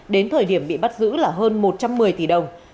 đến thời điểm bị bắt giữ là hơn một trăm một mươi tỷ đồng